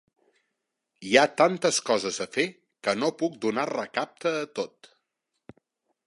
Hi ha tantes coses a fer que no puc donar recapte a tot.